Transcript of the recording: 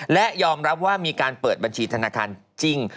และยอมรับว่ามีการเปิดบัญชีธนาคารจริง